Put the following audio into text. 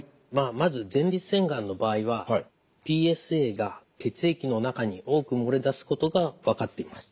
まず前立腺がんの場合はＰＳＡが血液の中に多く漏れ出すことが分かっています。